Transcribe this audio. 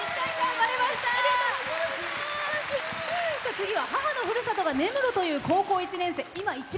次は母のふるさとが根室という高校１年生。